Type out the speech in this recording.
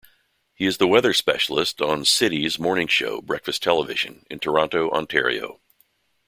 He is the "weather specialist" on City's morning show "Breakfast Television" in Toronto, Ontario.